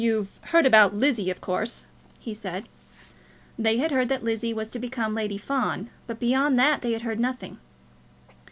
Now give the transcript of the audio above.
"You've heard about Lizzie, of course?" he said. They had heard that Lizzie was to become Lady Fawn, but beyond that they had heard nothing.